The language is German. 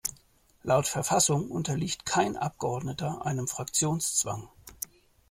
Laut Verfassung unterliegt kein Abgeordneter einem Fraktionszwang.